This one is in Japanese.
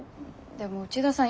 でも内田さん